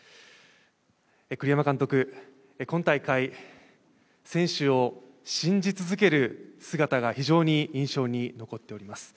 栗山監督、今大会、選手を信じ続ける姿が非常に印象に残っております。